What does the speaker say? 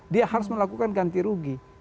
dia harus melakukan ganti rugi